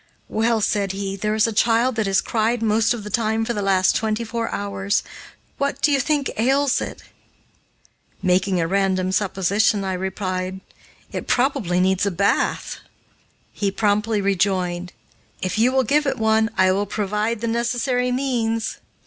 "Well," said he, "there is a child that has cried most of the time for the last twenty four hours. What do you think ails it?" Making a random supposition, I replied, "It probably needs a bath." He promptly rejoined, "If you will give it one, I will provide the necessary means."